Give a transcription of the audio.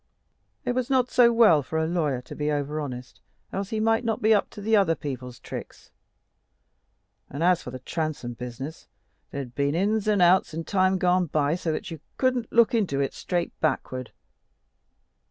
It was not so well for a lawyer to be over honest, else he might not be up to other people's tricks. And as for the Transome business, there had been ins and outs in time gone by, so that you couldn't look into it straight backward.